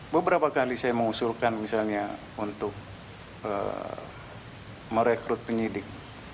beberapa kali saya mengusulkan misalnya untuk merekrut penyidik